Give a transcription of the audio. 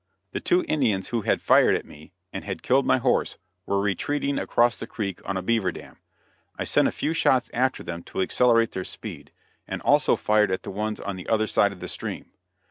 The two Indians who had fired at me and had killed my horse were retreating across the creek on a beaver dam. I sent a few shots after them to accelerate their speed, and also fired at the ones on the other side of the stream.